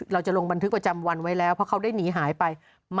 ลงบันทึกประจำวันไว้แล้วเพราะเขาได้หนีหายไป